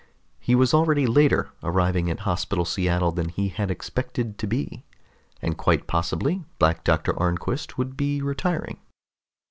He was already later arriving at Hospital Seattle than he had expected to be, and quite possibly Black Doctor Arnquist would be retiring.